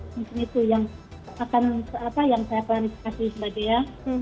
misalnya itu yang akan apa yang saya klarifikasi sebagai ya